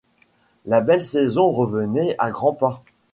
La belle saison revenait à grands pas.